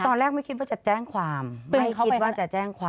ตอนแรกไม่คิดว่าจะแจ้งความไม่คิดว่าจะแจ้งความ